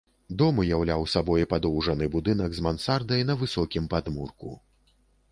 Дом уяўляў сабой падоўжаны будынак з мансардай на высокім падмурку.